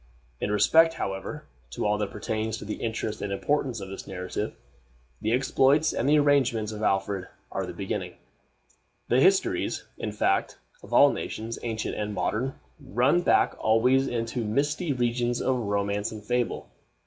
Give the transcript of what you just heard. In respect, however to all that pertains to the interest and importance of the narrative, the exploits and the arrangements of Alfred are the beginning. The histories, in fact, of all nations, ancient and modern, run back always into misty regions of romance and fable.